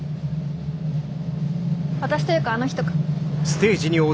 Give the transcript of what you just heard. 私というかあの人か。